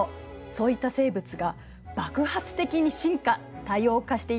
そういった生物が爆発的に進化多様化していった。